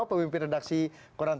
pemimpin redaksi koran tengah